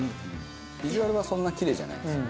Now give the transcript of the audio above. ビジュアルはそんなキレイじゃないですよね。